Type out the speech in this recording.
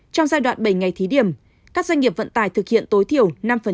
trong giai đoạn bảy ngày thí điểm các doanh nghiệp vận tải thực hiện tối thiểu năm